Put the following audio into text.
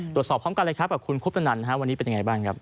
ตรวจสอบพร้อมกันกับคุณคุ้ปถนนวันนี้เป็นอย่างไรบ้างครับ